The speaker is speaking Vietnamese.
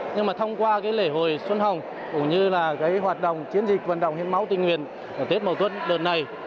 nhưng mà thông qua lễ hội xuân hồng cũng như hoạt động chiến dịch vận động hiến máu tỉnh nguyện tết mậu tuất đợt này